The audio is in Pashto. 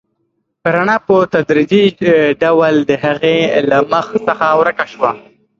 رڼا په تدریجي ډول د هغې له مخ څخه ورکه شوه.